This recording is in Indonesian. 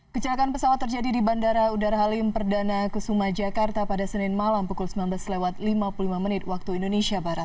kecelakaan pesawat terjadi di bandara udara halim perdana kusuma jakarta pada senin malam pukul sembilan belas lima puluh lima wib